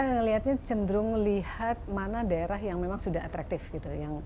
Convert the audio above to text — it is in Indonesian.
saya melihatnya cenderung melihat mana daerah yang memang sudah atraktif gitu